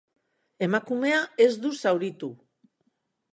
Emakumea ez du zauritu.